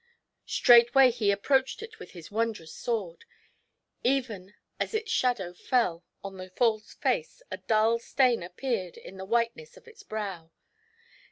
Straightway he approached it with his wondrous sword; even as its shadow fell on the false face a dull stain appeared on the whiteness of its brow.